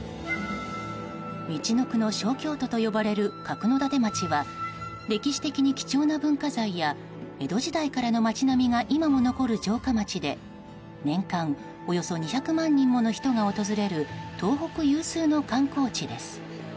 みちのくの小京都と呼ばれる角館町は歴史的に貴重な文化財や江戸時代からの街並みが今も残る城下町で年間およそ２００万人もの人が訪れる東北有数の観光地です。